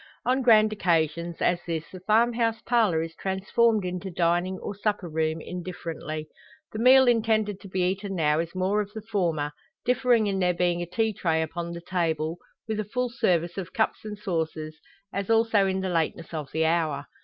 On grand occasions, as this, the farm house parlour is transformed into dining or supper room, indifferently. The meal intended to be eaten now is more of the former, differing in there being a tea tray upon the table, with a full service of cups and saucers, as also in the lateness of the hour.